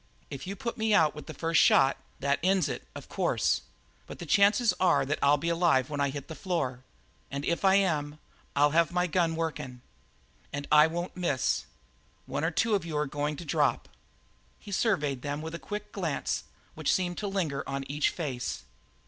If you put me out with the first shot that ends it, of course, but the chances are that I'll be alive when I hit the floor, and if I am, I'll have my gun working and I won't miss. One or two of you are going to drop." He surveyed them with a quick glance which seemed to linger on each face.